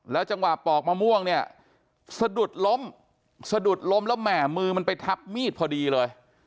จังหวะปอกมะม่วงเนี่ยสะดุดล้มสะดุดล้มแล้วแหม่มือมันไปทับมีดพอดีเลย